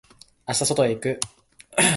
明日外へ行く。